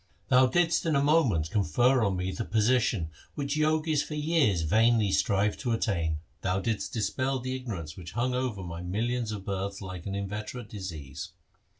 Thou didst in a moment confer on me the position which Jogis for years vainly strive to attain. Thou didst dispel the ignorance which hung over my millions of births like an inveterate disease.'